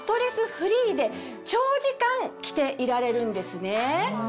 フリーで長時間着ていられるんですね。